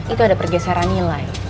itu ada pergeseran nilai